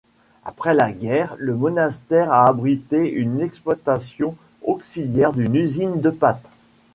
Après la guerre, le monastère a abrité une exploitation auxiliaire d’une usine de pâtes.